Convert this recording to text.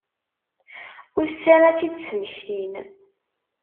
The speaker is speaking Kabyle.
Ussan ad tt-id-smektin.